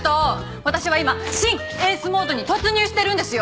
私は今シン・エースモードに突入してるんですよ。